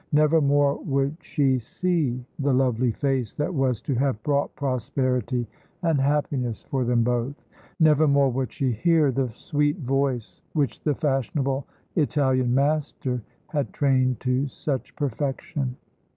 Never more would she see the lovely face that was to have brought prosperity and happiness for them both; never more would she hear the sweet voice which the fashionable Italian master had trained to such perfection.